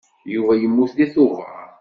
Yuba yemmut deg Tubeṛ.